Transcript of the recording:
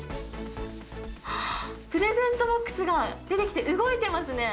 プレゼントボックスが出てきて、動いてますね。